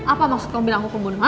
apa maksud kamu bilang aku pembunuh ha